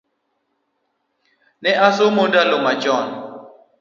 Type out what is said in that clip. Ne asomo ndalo machon